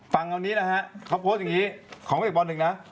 ฟังตอนนี้นะฮะเขาโพสต์อย่างนี้ของเด็กป๑นะ